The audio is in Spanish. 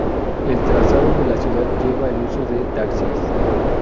El trazado de la ciudad lleva al uso de Taxis.